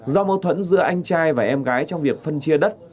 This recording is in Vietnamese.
do mâu thuẫn giữa anh trai và em gái trong việc phân chia đất